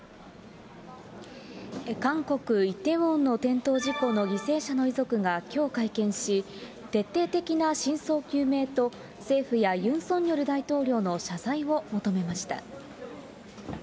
韓国・イテウォンの転倒事故の犠牲者の遺族がきょう会見し、徹底的な真相究明と、政府やユン・ソンニョル大統領の謝罪を求めました。